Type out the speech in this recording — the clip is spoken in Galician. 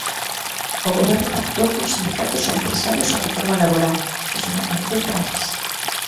O Goberno pactou con sindicatos e empresarios a reforma laboral, Xosé Manuel, detalles.